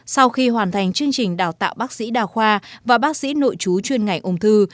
sau khi hoàn thành chương trình đào tạo bác sĩ đào khoa và bác sĩ nội chú chuyên ngành ung thư